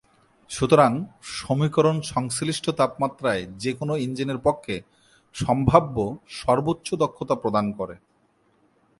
সুতরাং, সমীকরণ সংশ্লিষ্ট তাপমাত্রায় যে কোন ইঞ্জিনের পক্ষে সম্ভাব্য সর্বোচ্চ দক্ষতা প্রদান করে।